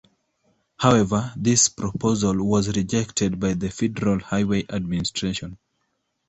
However, this proposal was rejected by the Federal Highway Administration.